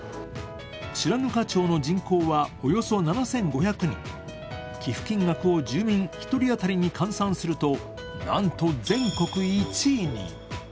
白糠町の人口は、およそ７５００人寄付金額を住民１人当たりに換算すると、なんと全国１位に。